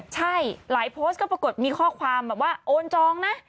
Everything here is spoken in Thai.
ใช่หลายโพสต์ก็ปรากฏมีข้อความแบบว่าโอนจองนะ